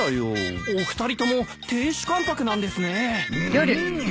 お二人とも亭主関白なんですね。